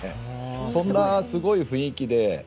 そんなすごい雰囲気で。